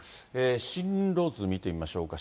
進路図見てみましょうか。